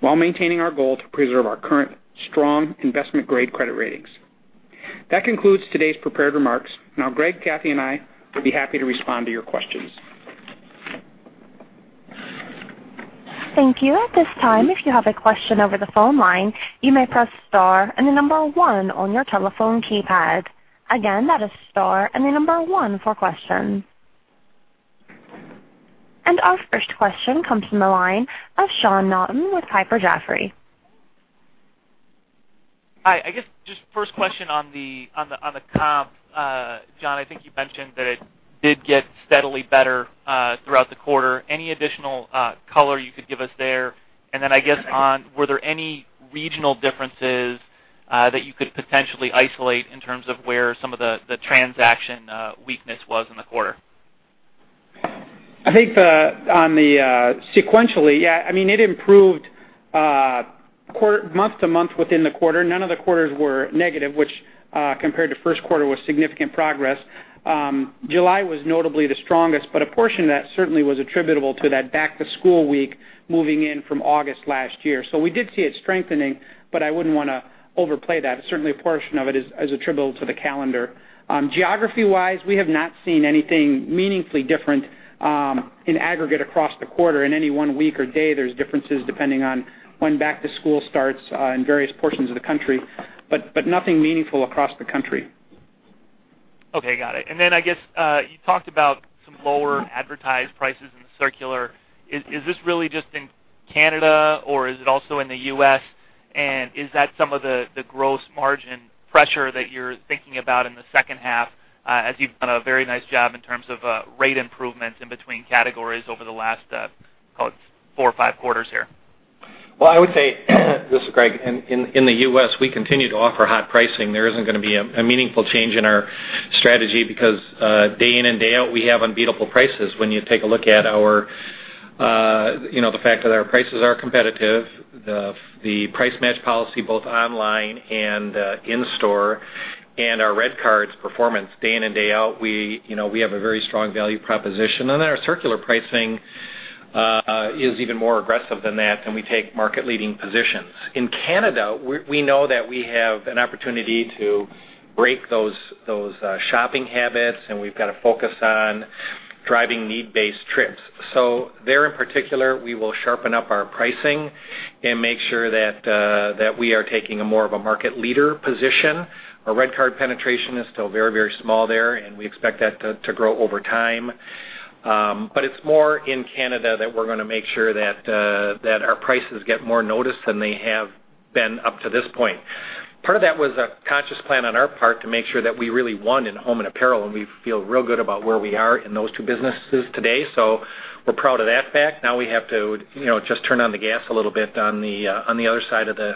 while maintaining our goal to preserve our current strong investment-grade credit ratings. That concludes today's prepared remarks. Now, Greg, Kathee, and I would be happy to respond to your questions. Thank you. At this time, if you have a question over the phone line, you may press star and the number one on your telephone keypad. Again, that is star and the number one for questions. Our first question comes from the line of Sean Naughton with Piper Jaffray. Hi, I guess just first question on the comp. John, I think you mentioned that it did get steadily better throughout the quarter. Any additional color you could give us there? Then I guess, were there any regional differences that you could potentially isolate in terms of where some of the transaction weakness was in the quarter? I think sequentially, yeah. It improved month to month within the quarter. None of the quarters were negative, which compared to first quarter, was significant progress. July was notably the strongest, but a portion of that certainly was attributable to that back to school week moving in from August last year. We did see it strengthening, but I wouldn't want to overplay that. Certainly, a portion of it is attributable to the calendar. Geography-wise, we have not seen anything meaningfully different in aggregate across the quarter. In any one week or day, there's differences depending on when back to school starts in various portions of the country, but nothing meaningful across the country. Okay, got it. Then I guess, you talked about some lower advertised prices in the circular. Is this really just in Canada, or is it also in the U.S.? Is that some of the gross margin pressure that you're thinking about in the second half, as you've done a very nice job in terms of rate improvements in between categories over the last, call it four or five quarters here? I would say, this is Greg. In the U.S., we continue to offer hot pricing. There isn't going to be a meaningful change in our strategy because day in and day out, we have unbeatable prices. When you take a look at the fact that our prices are competitive, the price match policy both online and in store, and our RedCard's performance day in and day out, we have a very strong value proposition. Our circular pricing is even more aggressive than that. We take market-leading positions. In Canada, we know that we have an opportunity to break those shopping habits. We've got to focus on driving need-based trips. There, in particular, we will sharpen up our pricing and make sure that we are taking a more of a market leader position. Our RedCard penetration is still very small there. We expect that to grow over time. It's more in Canada that we're going to make sure that our prices get more noticed than they have been up to this point. Part of that was a conscious plan on our part to make sure that we really won in home and apparel. We feel real good about where we are in those two businesses today. We're proud of that fact. We have to just turn on the gas a little bit on the other side of the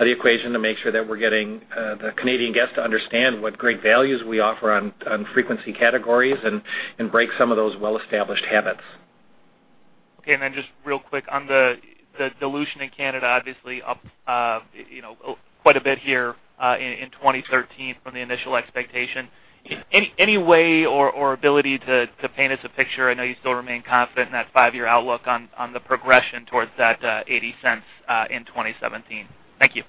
equation to make sure that we're getting the Canadian guest to understand what great values we offer on frequency categories and break some of those well-established habits. Just real quick on the dilution in Canada, obviously up quite a bit here in 2013 from the initial expectation. Any way or ability to paint us a picture? I know you still remain confident in that five-year outlook on the progression towards that $0.80 in 2017. Thank you.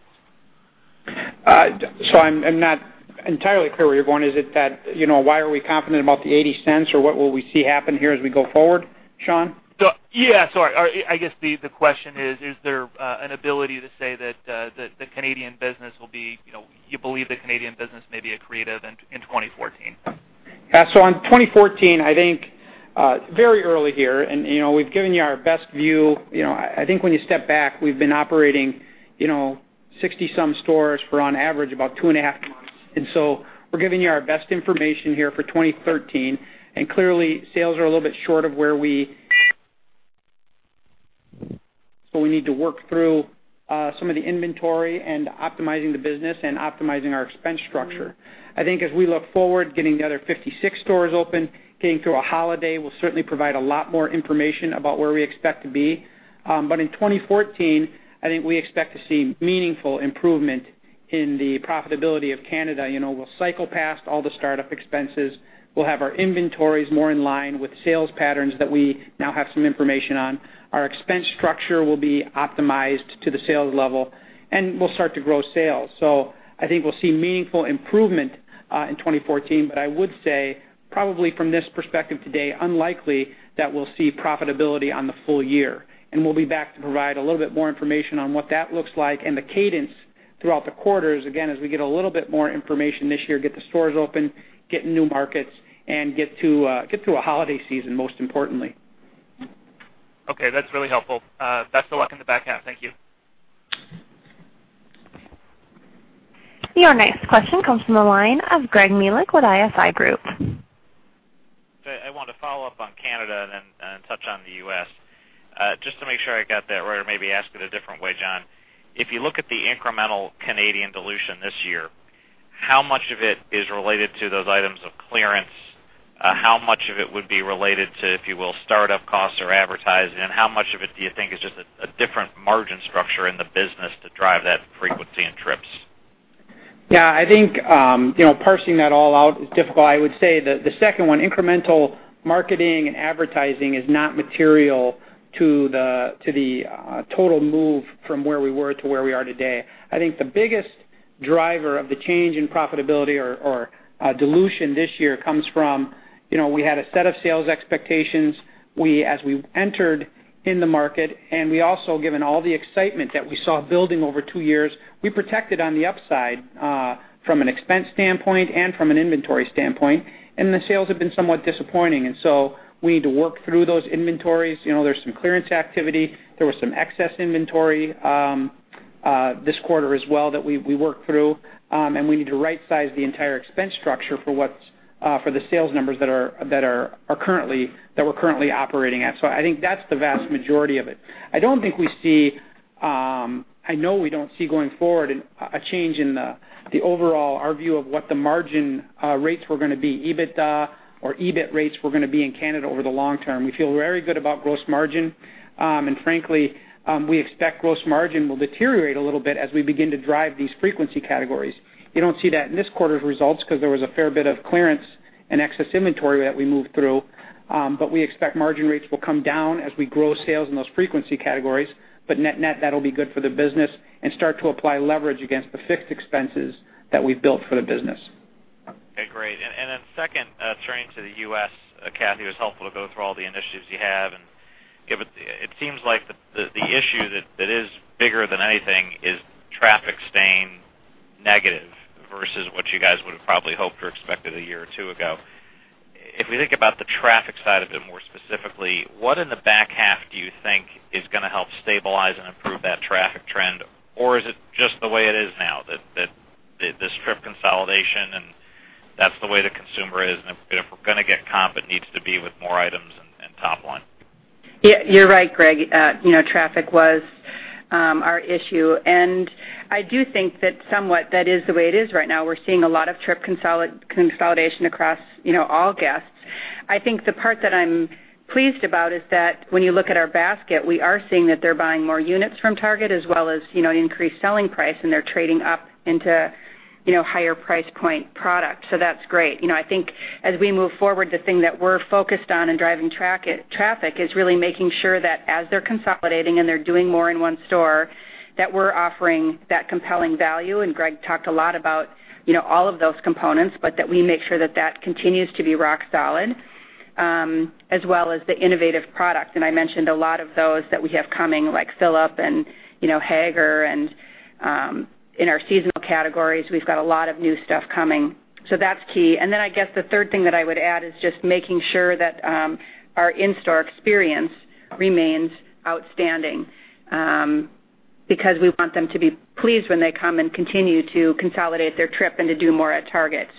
I'm not entirely clear where you're going. Is it that, why are we confident about the $0.80, or what will we see happen here as we go forward, Sean? Yeah, sorry. I guess the question is: Is there an ability to say that you believe the Canadian business may be accretive in 2014? On 2014, I think very early here. We've given you our best view. I think when you step back, we've been operating 60-some stores for on average about two and a half months. We're giving you our best information here for 2013. Clearly, sales are a little bit short of where we need to work through some of the inventory and optimizing the business and optimizing our expense structure. I think as we look forward, getting the other 56 stores open, getting through a holiday, will certainly provide a lot more information about where we expect to be. In 2014, I think we expect to see meaningful improvement in the profitability of Canada. We'll cycle past all the startup expenses. We'll have our inventories more in line with sales patterns that we now have some information on. Our expense structure will be optimized to the sales level. We'll start to grow sales. I think we'll see meaningful improvement, in 2014. I would say probably from this perspective today, unlikely that we'll see profitability on the full year. We'll be back to provide a little bit more information on what that looks like and the cadence throughout the quarters, again, as we get a little bit more information this year, get the stores open, get new markets, and get through a holiday season, most importantly. Okay, that's really helpful. Best of luck in the back half. Thank you. Your next question comes from the line of Greg Melich with ISI Group. I want to follow up on Canada and then touch on the U.S. Just to make sure I got that right, or maybe ask it a different way, John. If you look at the incremental Canadian dilution this year, how much of it is related to those items of clearance? How much of it would be related to, if you will, start-up costs or advertising? How much of it do you think is just a different margin structure in the business to drive that frequency in trips? I think, parsing that all out is difficult. I would say that the second one, incremental marketing and advertising, is not material to the total move from where we were to where we are today. I think the biggest driver of the change in profitability or dilution this year comes from, we had a set of sales expectations as we entered in the market, we also, given all the excitement that we saw building over 2 years, we protected on the upside, from an expense standpoint and from an inventory standpoint, the sales have been somewhat disappointing, so we need to work through those inventories. There's some clearance activity. There was some excess inventory this quarter as well that we worked through. We need to right-size the entire expense structure for the sales numbers that we're currently operating at. I think that's the vast majority of it. I know we don't see going forward a change in the overall, our view of what the margin rates were going to be, EBITDA or EBIT rates were going to be in Canada over the long term. We feel very good about gross margin. Frankly, we expect gross margin will deteriorate a little bit as we begin to drive these frequency categories. You don't see that in this quarter's results because there was a fair bit of clearance and excess inventory that we moved through. We expect margin rates will come down as we grow sales in those frequency categories. Net, that'll be good for the business and start to apply leverage against the fixed expenses that we've built for the business. Okay, great. Second, turning to the U.S., Kathee, it was helpful to go through all the initiatives you have, and it seems like the issue that is bigger than anything is traffic staying negative versus what you guys would've probably hoped or expected a year or two ago. If we think about the traffic side of it more specifically, what in the back half do you think is going to help stabilize and improve that traffic trend? Is it just the way it is now, that this trip consolidation and that's the way the consumer is, and if we're going to get comp, it needs to be with more items and top line? Yeah, you're right, Greg. Traffic was our issue, I do think that somewhat that is the way it is right now. We're seeing a lot of trip consolidation across all guests. The part that I'm pleased about is that when you look at our basket, we are seeing that they're buying more units from Target, as well as increased selling price, and they're trading up into higher price point product. That's great. As we move forward, the thing that we're focused on in driving traffic is really making sure that as they're consolidating and they're doing more in one store, that we're offering that compelling value. Greg talked a lot about all of those components, but that we make sure that that continues to be rock solid, as well as the innovative product. I mentioned a lot of those that we have coming, like Phillip Lim and Haggar and, in our seasonal categories, we've got a lot of new stuff coming. That's key. I guess the third thing that I would add is just making sure that our in-store experience remains outstanding, because we want them to be pleased when they come and continue to consolidate their trip and to do more at Target.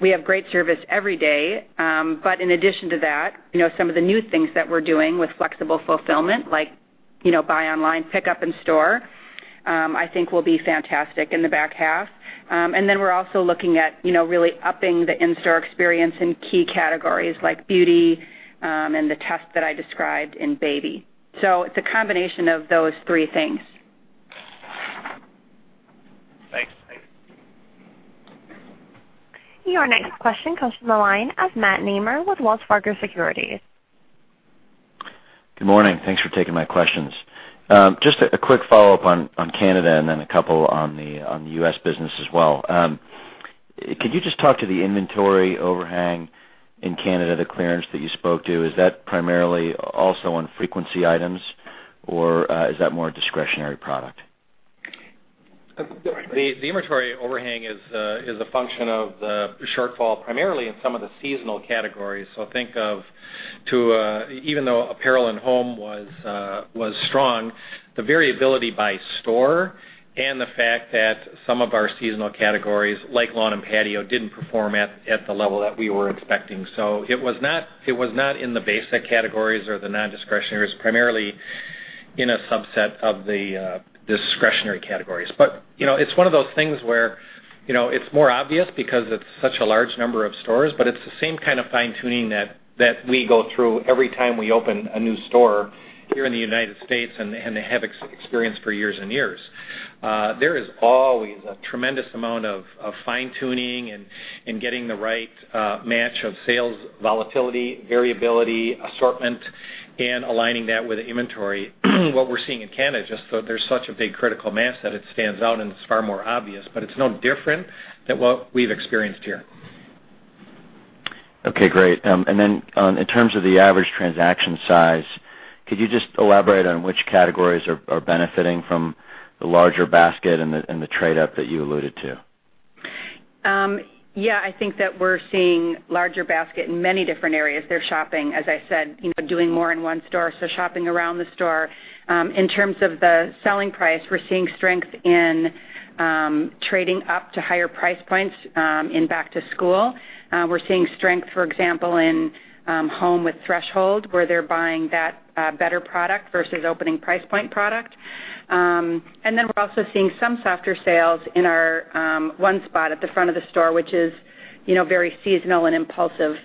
We have great service every day. In addition to that, some of the new things that we're doing with flexible fulfillment, like buy online, pick up in store, I think will be fantastic in the back half. We're also looking at really upping the in-store experience in key categories like beauty, and the test that I described in baby. It's a combination of those three things. Thanks. Your next question comes from the line of Matt Nemer with Wells Fargo Securities. Good morning. Thanks for taking my questions. Just a quick follow-up on Canada and then a couple on the U.S. business as well. Could you just talk to the inventory overhang in Canada, the clearance that you spoke to, is that primarily also on frequency items, or is that more discretionary product? The inventory overhang is a function of the shortfall, primarily in some of the seasonal categories. Think of, even though apparel and home was strong, the variability by store and the fact that some of our seasonal categories like lawn and patio, didn't perform at the level that we were expecting. It was not in the basic categories or the nondiscretionary, it's primarily in a subset of the discretionary categories. It's one of those things where it's more obvious because it's such a large number of stores, but it's the same kind of fine-tuning that we go through every time we open a new store here in the U.S. and have experienced for years and years. There is always a tremendous amount of fine-tuning and getting the right match of sales, volatility, variability, assortment, and aligning that with inventory. What we're seeing in Canada, just there's such a big critical mass that it stands out, and it's far more obvious, but it's no different than what we've experienced here. Okay, great. Then in terms of the average transaction size, could you just elaborate on which categories are benefiting from the larger basket and the trade up that you alluded to? Yeah, I think that we're seeing larger basket in many different areas. They're shopping, as I said, doing more in one store, so shopping around the store. In terms of the selling price, we're seeing strength in trading up to higher price points in back to school. We're seeing strength, for example, in home with Threshold, where they're buying that better product versus opening price point product. We're also seeing some softer sales in our The One Spot at the front of the store, which is very seasonal and impulsive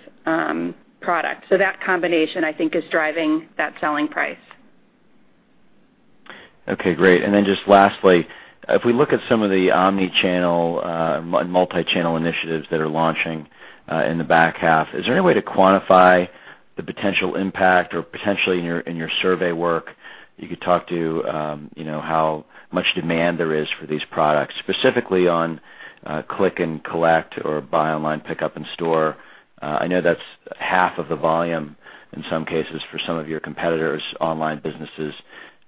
product. That combination, I think, is driving that selling price. Okay, great. Just lastly, if we look at some of the omni-channel, multi-channel initiatives that are launching in the back half, is there any way to quantify the potential impact or potentially in your survey work, you could talk to how much demand there is for these products, specifically on click and collect or buy online, pickup in store. I know that's half of the volume in some cases for some of your competitors' online businesses.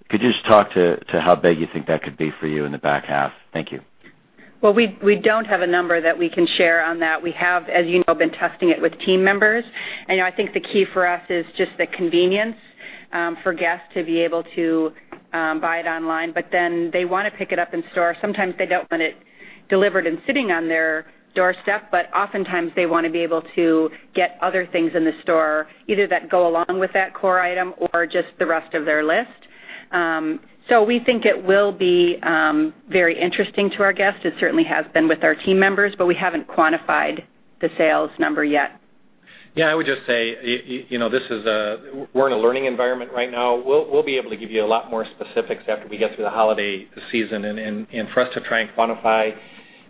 Could you just talk to how big you think that could be for you in the back half? Thank you. Well, we don't have a number that we can share on that. We have, as you know, been testing it with team members. I think the key for us is just the convenience for guests to be able to buy it online, they want to pick it up in store. Sometimes they don't want it delivered and sitting on their doorstep, oftentimes they want to be able to get other things in the store, either that go along with that core item or just the rest of their list. We think it will be very interesting to our guests. It certainly has been with our team members, we haven't quantified the sales number yet. Yeah, I would just say, we're in a learning environment right now. We'll be able to give you a lot more specifics after we get through the holiday season. For us to try and quantify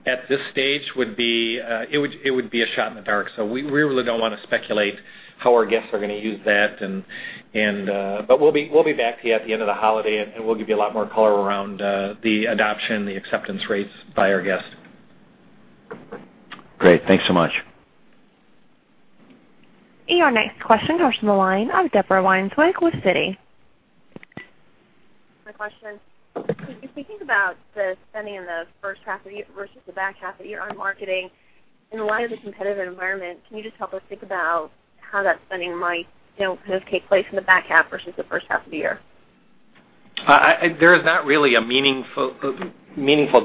at this stage, it would be a shot in the dark. We really don't want to speculate how our guests are going to use that. We'll be back to you at the end of the holiday, we'll give you a lot more color around the adoption, the acceptance rates by our guests. Great. Thanks so much. Your next question comes from the line of Deborah Weinswig with Citi. My question. Gregg, if we think about the spending in the first half versus the back half of the year on marketing, in light of the competitive environment, can you just help us think about how that spending might kind of take place in the back half versus the first half of the year? There is not really a meaningful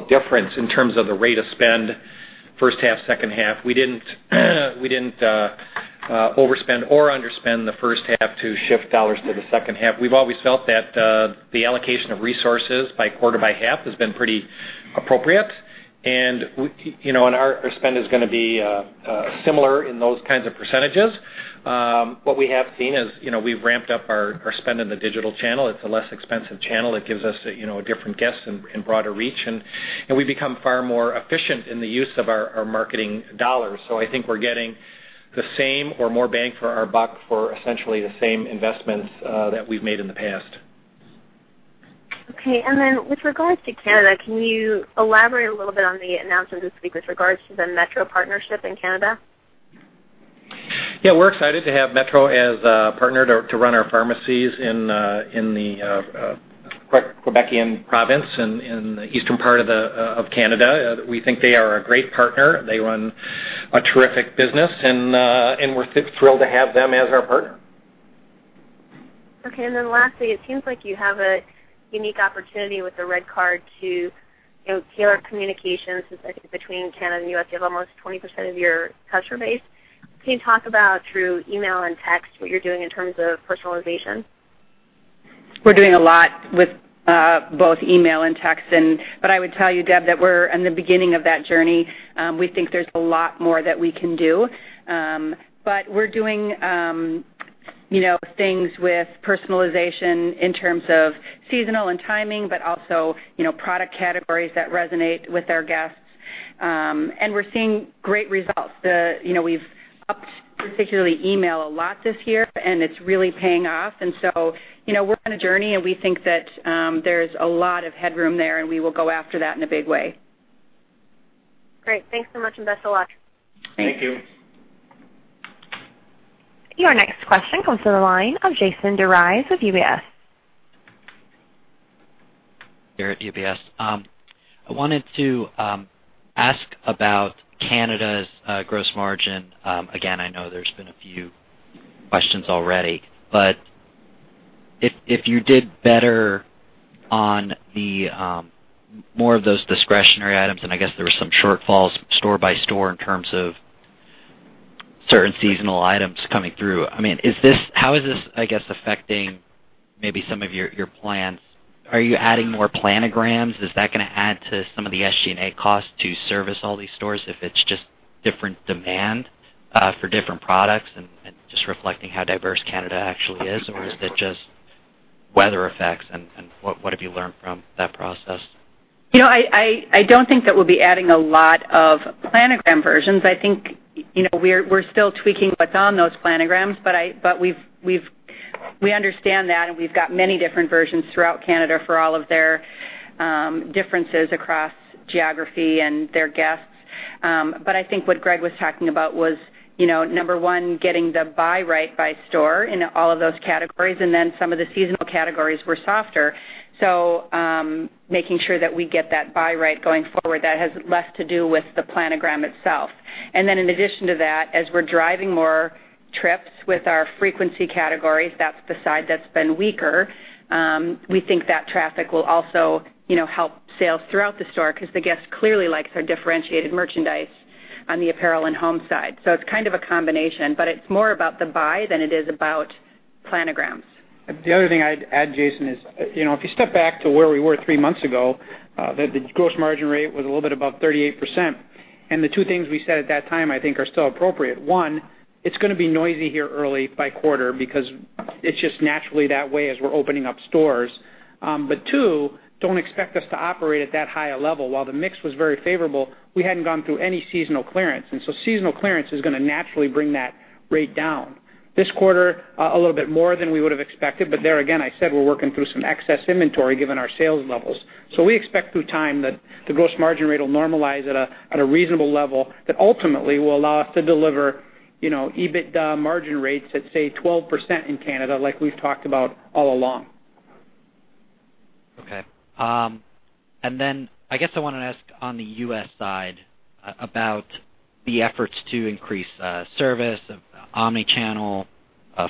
difference in terms of the rate of spend first half, second half. We didn't overspend or underspend the first half to shift dollars to the second half. We've always felt that the allocation of resources by quarter, by half has been pretty appropriate, and our spend is going to be similar in those kinds of percentages. What we have seen is, we've ramped up our spend in the digital channel. It's a less expensive channel. It gives us different guests and broader reach, and we've become far more efficient in the use of our marketing dollars. I think we're getting the same or more bang for our buck for essentially the same investments that we've made in the past. Okay. With regards to Canada, can you elaborate a little bit on the announcement this week with regards to the Metro partnership in Canada? Yeah, we're excited to have Metro as a partner to run our pharmacies in the Quebec province in the eastern part of Canada. We think they are a great partner. They run a terrific business, and we're thrilled to have them as our partner. Okay, lastly, it seems like you have a unique opportunity with the RedCard to tailor communications between Canada and the U.S. You have almost 20% of your customer base. Can you talk about through email and text, what you're doing in terms of personalization? We're doing a lot with both email and text, but I would tell you, Deb, that we're in the beginning of that journey. We think there's a lot more that we can do. We're doing things with personalization in terms of seasonal and timing, but also product categories that resonate with our guests. We're seeing great results. We've upped, particularly email, a lot this year, and it's really paying off. We're on a journey, and we think that there's a lot of headroom there, and we will go after that in a big way. Great. Thanks so much, and best of luck. Thank you. Thank you. Your next question comes to the line of Jason DeRise of UBS. Here at UBS. I wanted to ask about Canada's gross margin. Again, I know there's been a few questions already, if you did better on more of those discretionary items, and I guess there were some shortfalls store by store in terms of certain seasonal items coming through. How is this, I guess, affecting maybe some of your plans? Are you adding more planograms? Is that going to add to some of the SG&A costs to service all these stores if it's just different demand for different products and just reflecting how diverse Canada actually is? Or is it just weather effects, and what have you learned from that process? I don't think that we'll be adding a lot of planogram versions. I think we're still tweaking what's on those planograms. We understand that, and we've got many different versions throughout Canada for all of their differences across geography and their guests. I think what Greg was talking about was, number 1, getting the buy right by store in all of those categories, and then some of the seasonal categories were softer. Making sure that we get that buy right going forward, that has less to do with the planogram itself. In addition to that, as we're driving more trips with our frequency categories, that's the side that's been weaker. We think that traffic will also help sales throughout the store because the guest clearly likes our differentiated merchandise on the apparel and home side. It's kind of a combination, but it's more about the buy than it is about planograms. The other thing I'd add, Jason, is, if you step back to where we were 3 months ago, the gross margin rate was a little bit above 38%. The 2 things we said at that time, I think, are still appropriate. 1, it's going to be noisy here early by quarter because it's just naturally that way as we're opening up stores. 2, don't expect us to operate at that high a level. While the mix was very favorable, we hadn't gone through any seasonal clearance, seasonal clearance is going to naturally bring that rate down. This quarter, a little bit more than we would've expected, but there again, I said we're working through some excess inventory given our sales levels. We expect through time that the gross margin rate will normalize at a reasonable level that ultimately will allow us to deliver EBITDA margin rates at, say, 12% in Canada like we've talked about all along. Okay. I guess I want to ask on the U.S. side about the efforts to increase service of omni-channel,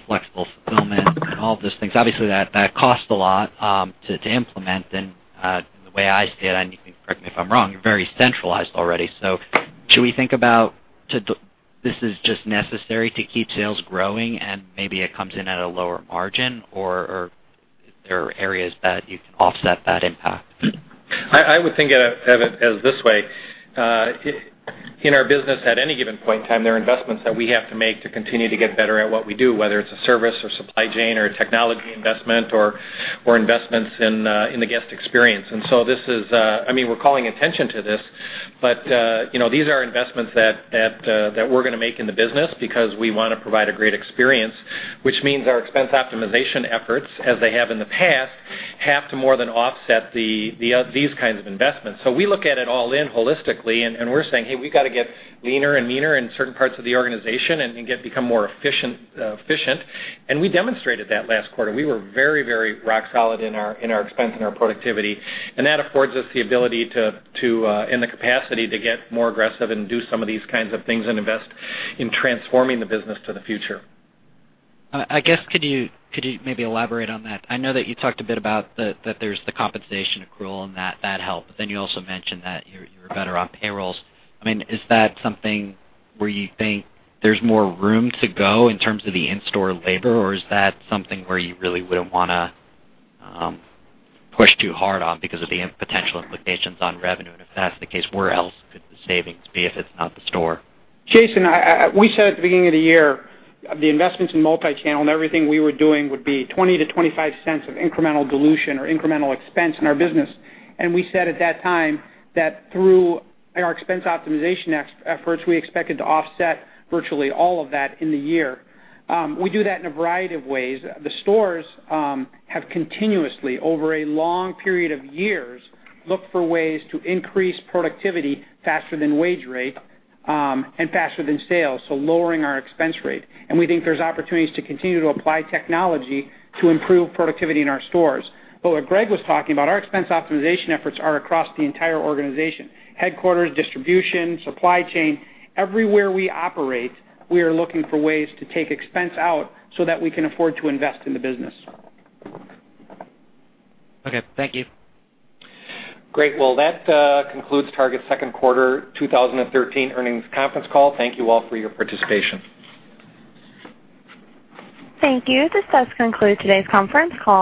flexible fulfillment, and all of those things. Obviously, that costs a lot to implement. The way I see it, and correct me if I'm wrong, you're very centralized already. Should we think about this is just necessary to keep sales growing and maybe it comes in at a lower margin, or are there areas that you can offset that impact? I would think of it as this way. In our business at any given point in time, there are investments that we have to make to continue to get better at what we do, whether it's a service or supply chain or a technology investment or investments in the guest experience. We're calling attention to this, but these are investments that we're going to make in the business because we want to provide a great experience. Which means our expense optimization efforts, as they have in the past, have to more than offset these kinds of investments. We look at it all in holistically, and we're saying, "Hey, we got to get leaner and meaner in certain parts of the organization and become more efficient." We demonstrated that last quarter. We were very rock solid in our expense and our productivity. That affords us the ability to, and the capacity to get more aggressive and do some of these kinds of things and invest in transforming the business to the future. I guess could you maybe elaborate on that? I know that you talked a bit about that there's the compensation accrual and that helped, you also mentioned that you were better on payrolls. Is that something where you think there's more room to go in terms of the in-store labor, or is that something where you really wouldn't want to push too hard on because of the potential implications on revenue? If that's the case, where else could the savings be if it's not the store? Jason, we said at the beginning of the year, the investments in multi-channel and everything we were doing would be $0.20 to $0.25 of incremental dilution or incremental expense in our business. We said at that time that through our expense optimization efforts, we expected to offset virtually all of that in the year. We do that in a variety of ways. The stores have continuously, over a long period of years, looked for ways to increase productivity faster than wage rate and faster than sales, so lowering our expense rate. We think there's opportunities to continue to apply technology to improve productivity in our stores. What Greg was talking about, our expense optimization efforts are across the entire organization: headquarters, distribution, supply chain. Everywhere we operate, we are looking for ways to take expense out so that we can afford to invest in the business. Okay. Thank you. Great. That concludes Target's second quarter 2013 earnings conference call. Thank you all for your participation. Thank you. This does conclude today's conference call.